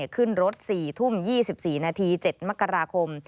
ขึ้นรถ๔ทุ่ม๒๔นาที๗มกราคม